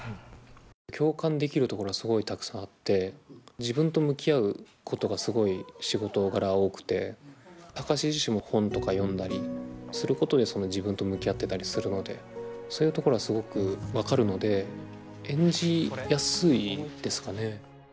共感できるところがすごいたくさんあって自分と向き合うことがすごい仕事柄多くて貴司自身も本とか読んだりすることで自分と向き合ってたりするのでそういうところはすごく分かるので演じやすいですかね。